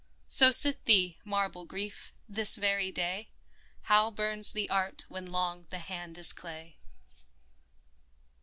So sit thee, marble Grief ! this very day How burns the art when long the hand is clay